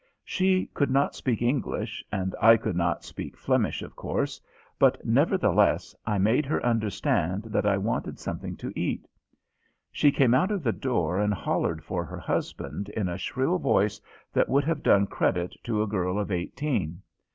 She could not speak English and I could not speak Flemish, of course, but, nevertheless, I made her understand that I wanted something to eat. She came out of the door and hollered for her husband in a shrill voice that would have done credit to a girl of eighteen.